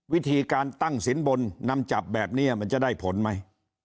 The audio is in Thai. วิธีการตั้งสินบนนำจับแบบนี้มันจะได้ผลไหม